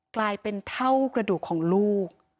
กลายเป็นเท่ากระดูกของลูก